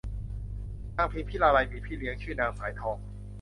นางพิมพิลาไลยมีพี่เลี้ยงชื่อนางสายทอง